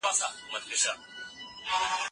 حنفي فقه یو معتبر مسلک دی.